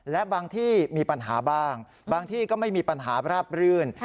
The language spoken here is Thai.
และบางที่มีปัญหาบ้างบางที่ก็ไม่มีปัญหาราบรื่น